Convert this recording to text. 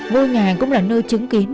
ngôi nhà cũng là nơi chứng kiến